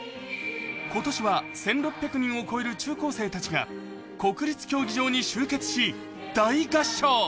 今年は１６００人を超える中高生たちが国立競技場に集結し、大合唱。